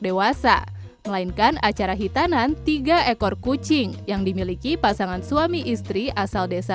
dewasa melainkan acara hitanan tiga ekor kucing yang dimiliki pasangan suami istri asal desa